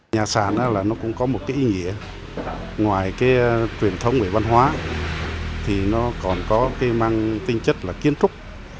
nhà sản là nó cũng có một cái ý nghĩa ngoài cái truyền thống về văn hóa thì nó còn có cái mang tinh chất là kiến trúc